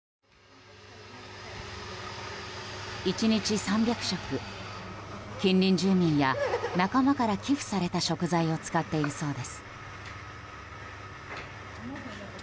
１日３００食近隣住民や仲間から寄付された食材を使っているそうです。